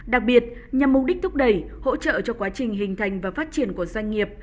đặc biệt nhằm mục đích thúc đẩy hỗ trợ cho quá trình hình thành và phát triển của doanh nghiệp